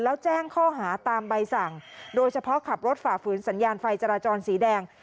แล้วแจ้งข้อหาตามใบสั่งโดยเฉพาะขับรถฝ่าฝืนสัญญาณไฟจราจรสีแดง